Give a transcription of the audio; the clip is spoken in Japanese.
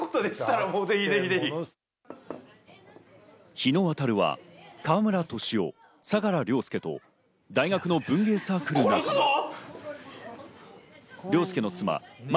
日野渉は河村俊夫、相良凌介と大学の文芸サークルの仲間。